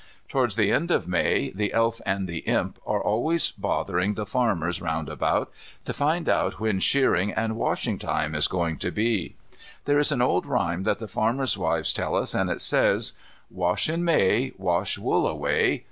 Towards the end of May the Elf and the Imp are always bothering the farmers round about, to find out when shearing and washing time is going to be. There is an old rhyme that the farmers' wives tell us, and it says: "Wash in May, Wash wool away.